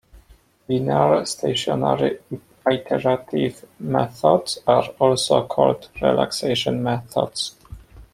Linear stationary iterative methods are also called relaxation methods.